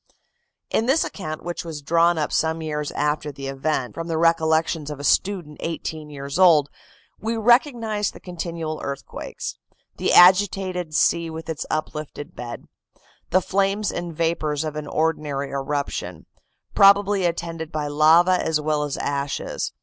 In this account, which was drawn up some years after the event, from the recollections of a student eighteen years old, we recognize the continual earthquakes; the agitated sea with its uplifted bed; the flames and vapors of an ordinary eruption, probably attended by lava as well as ashes.